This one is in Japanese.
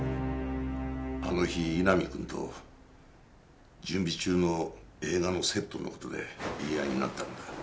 あの日井波くんと準備中の映画のセットの事で言い合いになったんだ。